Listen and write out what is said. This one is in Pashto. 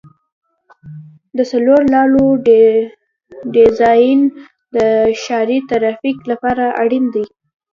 د څلور لارو ډیزاین د ښاري ترافیک لپاره اړین دی